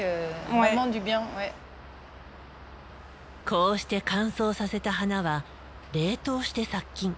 こうして乾燥させた花は冷凍して殺菌。